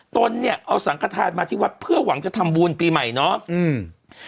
ตนเนี่ยเอาสังขทานมาที่วัดเพื่อหวังจะทำบุญปีใหม่เนาะอืม